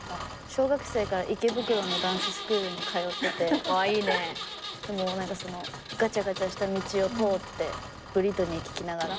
小学生から池袋のダンススクールに通ってて何かそのガチャガチャした道を通ってブリトニー聴きながら。